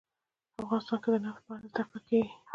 افغانستان کې د نفت په اړه زده کړه کېږي.